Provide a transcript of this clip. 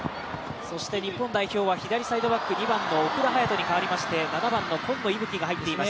日本代表は左サイドバック、奥田勇斗に代わりまして今野息吹が入っています。